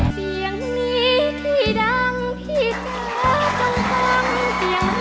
เสียงนี้ที่ดังที่จะคงคง